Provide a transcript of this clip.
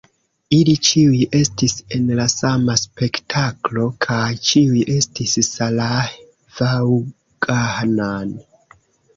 Ili ĉiuj estis en la sama spektaklo kaj ĉiuj estis Sarah Vaughan“.